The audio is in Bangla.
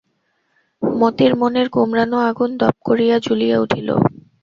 মতির মনের গুমরানো আগুন দপ করিয়া জুলিয়া উঠিল।